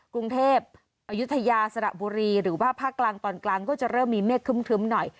กรุงเทพอายุทยาสระบุรีหรือว่าภาคกลางตอนกลางก็จะเริ่มมีเมฆครึ้มหน่อย